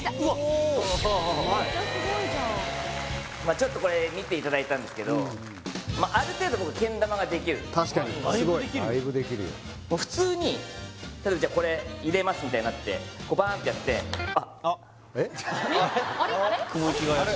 ちょっとこれ見ていただいたんですけどだいぶできるよ普通に例えばじゃこれ入れますみたいになってバーンとやってあれ？